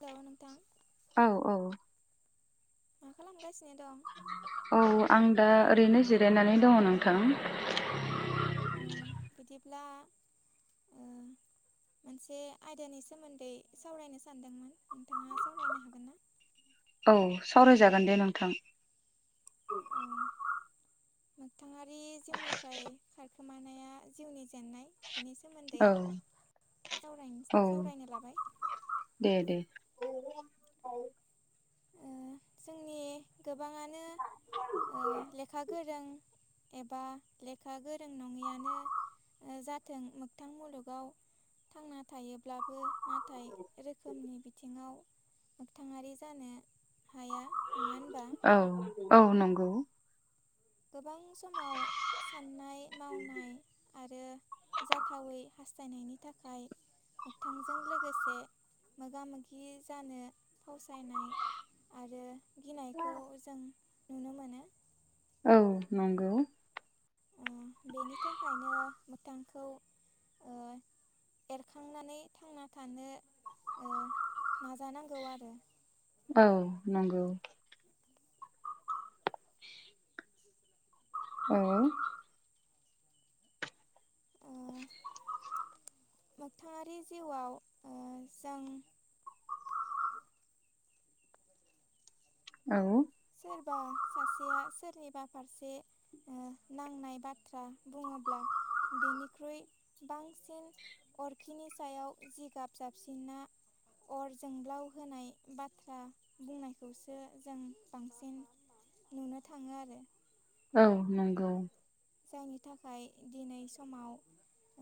Hello नोंथां औ औ मा खालामगासिनो दं औ आं दा ओरैनो जिरायनानै दङ नोंथां। औ बिदिब्ला मोनसे आयदानि सोमोन्दै सावरायनो सानदोंमोन नोंथाङा सावरायनो हागोन ना? औ सावरायजागोन दे नोंथां। औ मोखथाङारि जिउनिफ्राय खारखोमानाया जिउनि जेननाय। बेनि सोमोन्दै औ सावरायनस औ सावरायनो लाबाय। दे [inaudible] ओ जोंनि गोबाङानो लेखा ओ गोरों एबा लेखा गोरों नङिआनो जाथों मोगथां मुलुगाव थांना थायोब्लाबो नाथाय रोखोमनि बिथिङाव मोगथाङारि जानो हाया नङा होनबा औ औ नंगौ। गोबां समाव साननाय मावनाय आरो जाथावै हास्थायनायनि थाखाय मोगथांजों लोगोसे मोगा मोगि जानो फावसायनाय आरो गिनायखौ जों नुनो मोनो औ नंगौ। ओ बेनि थाखायनो मोथांखौ ओ एरखांनानै थांना थानो ओ नाजानांगौ आरो। औ नंगौ। औ औ ओ मोगथाङारि जिउआव ओ जों औ सोरबा सासेया सोरनिबा फारसे ओ नांनाय बाथ्रा बुङोब्ला बेनिख्रुइ बांसिन अरखिनि सायाव जिगाब जाबसिनना अर जोंब्लाव होनाय बाथ्रा बुंनायखौसो जों बांसिन नुनो थाङो आरो औ नंगौ। जायनि थाखाय दिनै समाव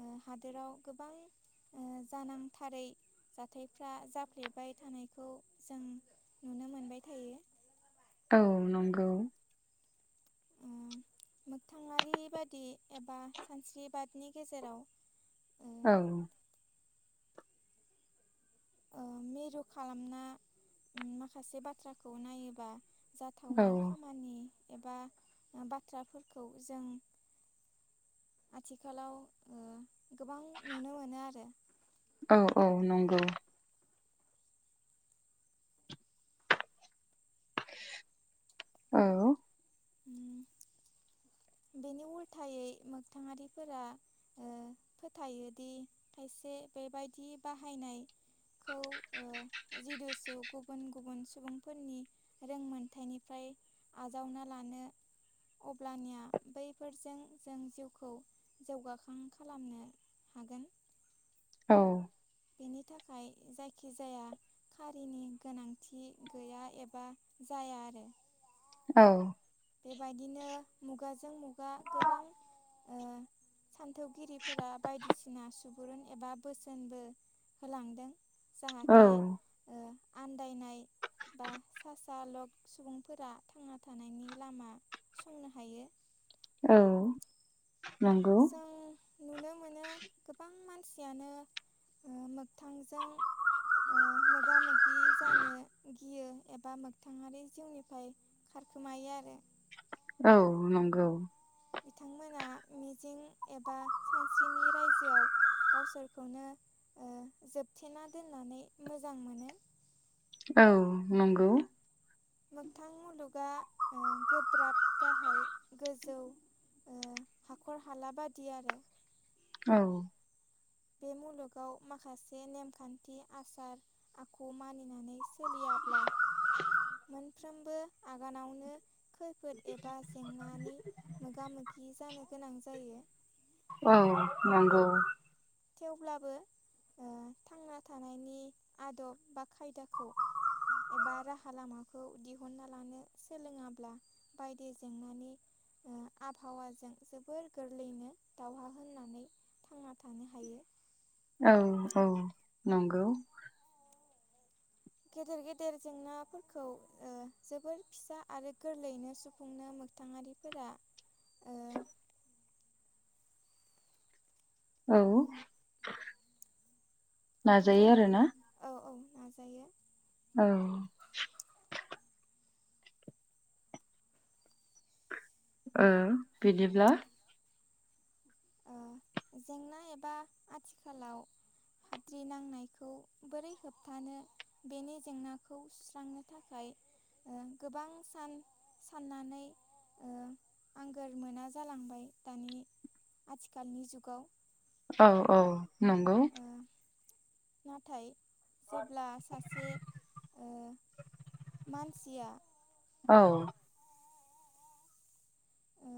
ओ हादोराव गोबां ओ जानांथारै जाथायफ्रा जाफ्लेबाय थानायखौ जों नुनो मोनबाय थायो। औ नंगौ। उम मोगथाङारि बादि एबा सानस्रिबादनि गेजेराव औ ओ मिरु खालामना माखासे बाथ्राखौ नायोबा औ जाथावै खामानि एबा बाथ्राफोरखौ जों आथिखालाव ओ गोबां नुनो मोनो [inaudible] आरो औ औ नंगौ। औ उम बेनि उल्थायै मोगथाङारिफोरा ओ फोथायो दि खायसे से बेबायदि बाहायनाय खौ ओ जिदुसु गुबुन गुबुन सुबुंफोरनि रोंमोनथाइनिफ्राय आजावना लानो अब्लानिया बैफोरजों जों जिउखौ जौगाखां खालामनो हागोन। [inaudible] औ बेनि थाखाय जायखिजाया खारिनि गोनांथि गैया एबा जाया आरो औ बेबायदिनो मुगाजों मुगा गोबां ओ सान - थौगिरिफोरा बायदिसिना सुबुरुन एबा बोसोनबो होलांदों जाहाथे ओ आन्दायनाय बा सा सा लक सुबुंफोरा थांना थानायनि लामा संनो हायो। औ नंगौ जों नुनो मोनो गोबां मानसियानो ओ मोग थांजों ओ मोगा मोगि जानो गियो एबा मोगथाङारि जिउनिफ्राय खारखोमायो आरो औ नंगौ। बिथांमोना मिजिं एबा सानस्रिनि रायजोआव गावसोरखौनो ओ जोबथेना दोननानै मोजां मोनो औ नंगौ। मोगथां मुलुगा ओ गोब्राब गाहाय गोजौ ओ हाखर हाला बादि आरो औ बे मुलुगाव माखासे नेमखान्थि आसार आखु मानिनानै सोलियाब्ला मोनफ्रोमबो आगानावनो खैफोद एबा जेंनानि मोगा मोगि जानो गोनां जायो। औ नंगौ थेवब्लाबो ओ थांना थानायनि आदब बा खायदाखौ एबा राहा लामाखौ दिहुनना लानो सोलोङाब्ला बायदि जेंनानि आबहावाजों जोबोर गोरलैयैनो दावहा होननानै थांना थानो हायो। औ औ नंगौ गेदेर गेदेर जेंनाफोरखौ ओ जोबोर फिसा आरो गोरलैयैनो सुफुंनो मोनो। मोगथाङारिफोरा। ओ औ मोन नाजायो आरो ना औ औ नाजायो। औ ओ बिदिब्ला ओ जेंना एबा आथिखालाव हाद्रि नांनायखौ बोरै होबथानो बेनि जेंनाखौ सुस्रांनो थाखाय। गोबां सान साननानै ओ आंगोर मोना जालांबाय दानि आथिखालनि जुगाव औ औ नंगौ ओ नाथाय जेब्ला सासे ओ मानसिया। औ ओ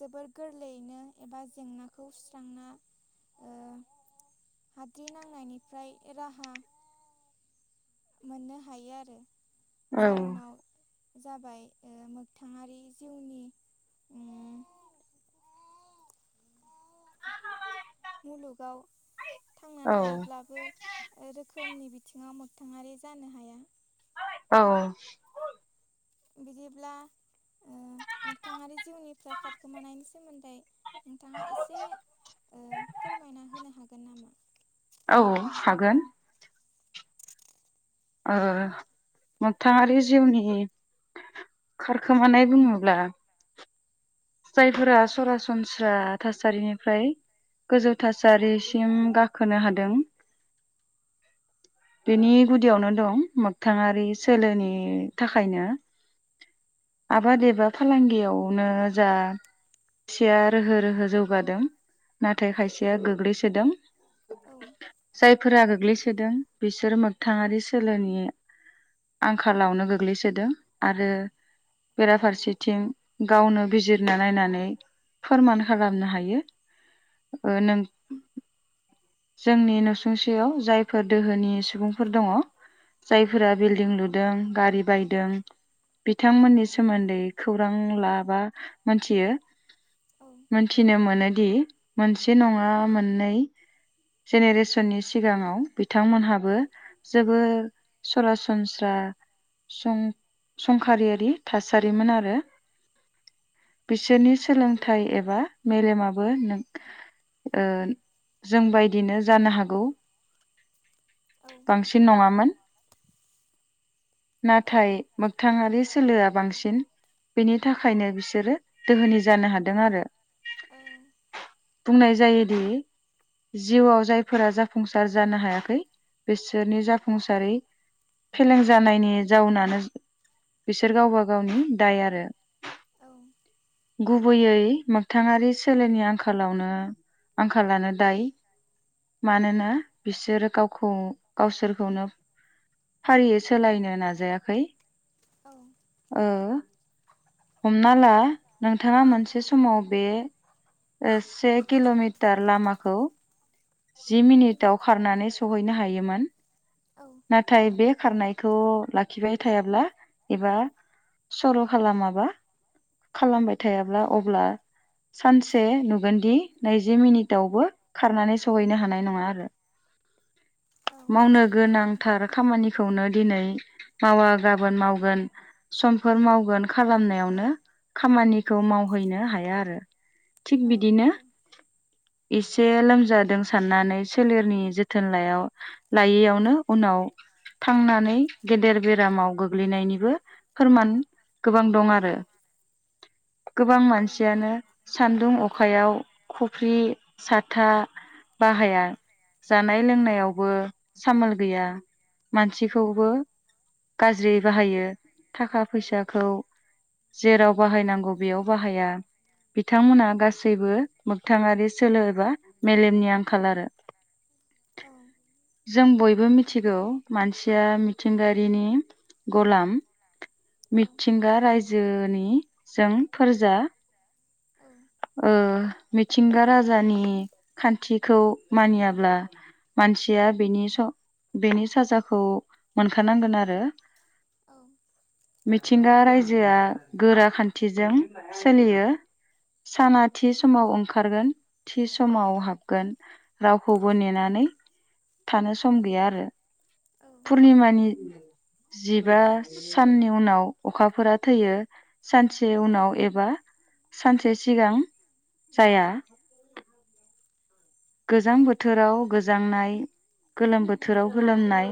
जोबोर गोरलैयैनो एबा जेंनाखौ सुस्रांना हाद्रि नांनायनिफ्राय राहा मोननो हायो आरो औ जाउनाव जाबाय मोगथाङारि जिउनि मुलुगाव थांना औ थायोब्लाबो ओ रोखोम रोखोमनि बिथिङाव मोगथाङारि जानो हाया। औ बिदिब्ला- मोगथाङारि जिउनिफ्राय खारखोमानायनि सोमोन्दै नोंथाङा एसे। फोरमायना होनो हागोन नामा? औ हागोन ओ मोथाङारि जिउनि खारखोमानाय बुङोब्ला जायफोरा सरासनस्रा थासारिनिफ्राय गोजौ थासारिसिम गाखोनो हादों। [inaudible] बेनि गुदियावनो दं मोगथाङारि सोलोनि थाखायनो आबाद एबा फालांगियावनो जा खायसेया रोहो रोहो जौगादों नाथाय खायसेया गोग्लैसोदों। औ जायफोरा गोग्लैसोदों बिसोर मोगथाङारि सोलोनि आंखालावनो गोग्लैसोदों आरो बेराफारसेथिं गावनो- बिजिरना नायनानै फोरमान खालामनो हायो। ओ नों जोंनि नसुंसेयाव जायफोर दोहोनि सुबुंफोर दङ। जायफोरा बिल्डिं लुदों गारि बायदों। बिथांमोननि सोमोन्दै खौरां ला बा मोनथियो। औ मोनथिनो मोनोदि मोनसे नङा मोननै। जेनेरेसननि सिगाङाव बिथांमोनहाबो जोबोर सरासनस्रा संखारियारि थासारिमोन आरो। बिसोरनि सोलोंथाइ एबा मेलेमाबो नों ओ जों बायदि जानो हागौ औ बांसिन नङामोन। औ नाथाय मोखथाङारि सोलोआ बांसिन। बेनि थाखायनो बिसोरो दोहोनि जानो हादों आरो औ बुंनाय जायोदि। जिउआव जायफोरा जाफुंसार जानो हायाखै बिसोरनि जाफुंसारै फेलें जानायनि जाउनानो बिसोर गावबा गावनि दाय आरो औ गुबैयै मोगथाङारि सोलेरनि आंखालावनो आंखालानो दाय। मानोना बिसोरो गावखौ गावसोरखौनो फारियै सोलायनो नाजायाखै। औ ओ हमना ला नोंथाङा मोनसे समाव बे से किल'मिटार लामाखौ जि मिनिटाव खारनानै सहैनो हायोमोन। औ नाथाय बे खारनायखौ लाखि खिबाय थायाब्ला एबा सर' खालामाबा- खालामबाय थायाब्ला अब्ला सानसे नुगोनदि नैजि मिनिटावबो खारनानै सान सहैनो हानाय नङा आरो। औ मावनो गोनांथार खामानि खौनो दिनै मावा गाबोन मावगोन समफोर मावगोन खालामनायावनो खामानिखौ मावहैनो हाया आरो थिग बिदिनो नंगौ इसे लोमजा दों साननानै सोलेरनि जोथोन ल लायैयावनो उनाव थांनानै गेदेर बेरामाव गोग्लैनायनिबो फोरमान गोबां दं आरो। [inaudible] गोबां औ नंगौ मानसियानो सान्दुं अखायाव खफ्रि साथा बाहाया जानाय लोंनायावबो सामोल गैया मानसिखौबो गाज्रि बाहायो थाखा फैसाखौ जेराव बाहायनांगौ बेयाव बाहाय बिथांमोना गासैबो मोगथाङारि सोलो एबा मेलेमनि आंखाल औ ज [inaudible] बयबो मिथिगौ मानसिया मिथिंगायारिनि गलाम। औ मिथिंगा रायजोनि जों फोरजा। ओ मिथिंगा राजानि खान्थिखौ मानियाब्ला मानसिया बेनि बेनि स साजाखौ मोनखानांगोन आरो। औ मिथिंगा रायजोआ गोरा खान्थिजों सोलियो। साना थि समाव ओंखारगोन थि समाव हाबगोन रावखौबो नेनानै थानो सम गैया आरो पुर्निमानि। जिबा साननि उनाव अखाफोरा थैयो सानसे उनाव एबा सानसे सिगां जाया। गोजां बोथोराव गोजांनाय गोलोम बोथोराव गोलोमनाय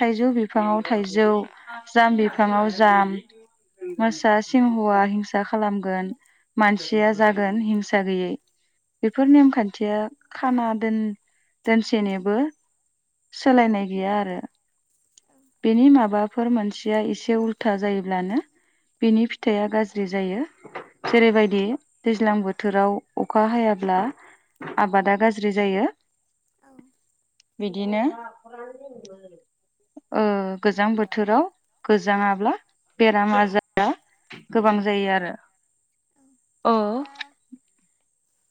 थाइजौ बिफाङाव थाइजौ जाम बिफाङाव जाम मोसा सिंहवआ हिंसा खालामगोन। मानसिया जागोन हिंसा गैयै बेफोर नेमखान्थिया खाना दोन दोनसेनोबो सोलायनाय गैया आरो। औ बेनि माबाफोर मोनसिया एसे उल्था जायोब्लानो बिनि फिथाइया गाज्रि जायो। जेरैबायदि दैज्लां बोथोराव अखा हायाब्ला आबादा गाज्रि जायो। औ बिदिनो ओ गोजां बोथोराव गोजाङाब्ला बेराम आजारा गोबां जायो आरो औ अ बिदिब्ला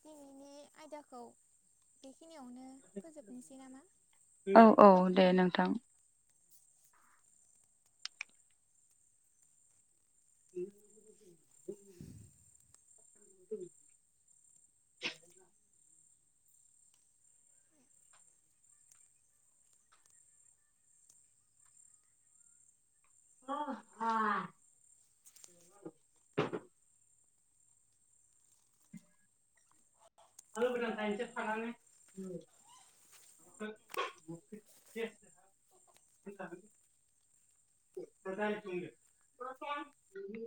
दिनैनि आयदाखौ बेखिनियावनो फोजोबनोसै नामा? औ औ दे नोंथां। [unintelligible] [inaudible] अ आ [unintelligible] ओब्रा दायनोस थागानो [unintelligible] [unintelligible] [unintelligible]